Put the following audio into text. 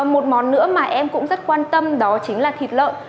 một món nữa mà em cũng rất quan tâm đó chính là thịt lợn